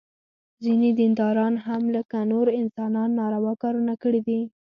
ځینې دینداران هم لکه نور انسانان ناروا کارونه کړي دي.